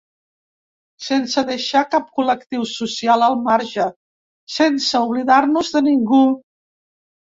Sense deixar cap col·lectiu social al marge, sense oblidar-nos de ningú.